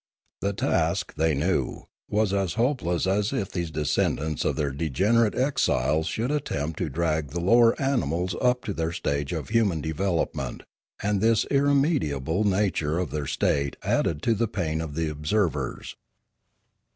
The task, they knew, was as hopeless as if these descendants of their degenerate exiles should attempt to drag the lower animals up to their stage of human development, and this irremediable nature of their state added to the pain of the observers.